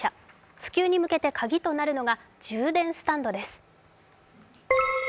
普及に向けてカギとなるのが充電スタンドです。